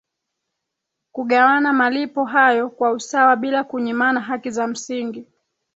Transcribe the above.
kugawana malipo hayo kwa usawa bila kunyimana haki za msingi